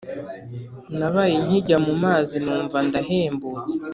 nabaye nkijya mu mazi numva ndahembutse